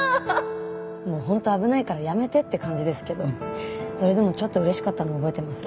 もう本当危ないからやめてって感じですけどそれでもちょっと嬉しかったのを覚えてます。